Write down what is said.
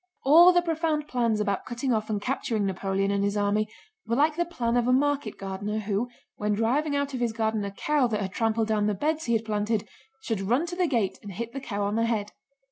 All the profound plans about cutting off and capturing Napoleon and his army were like the plan of a market gardener who, when driving out of his garden a cow that had trampled down the beds he had planted, should run to the gate and hit the cow on the head.